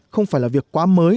không phải là việc quá mới